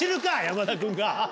山田君が。